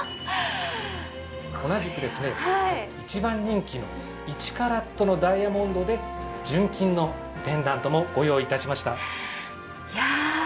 同じくですね一番人気の１カラットのダイヤモンドで純金のペンダントもご用意致しました。